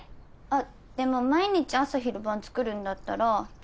あっでも毎日朝昼晩作るんだったら。